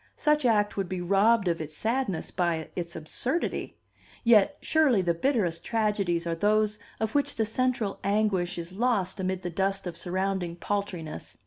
Such act would be robbed of its sadness by its absurdity. Yet, surely, the bitterest tragedies are those of which the central anguish is lost amid the dust of surrounding paltriness.